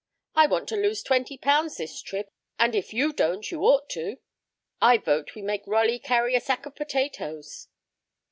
I want to lose twenty pounds this trip, and if you don't you ought to. I vote we make Rolly carry a sack of potatoes."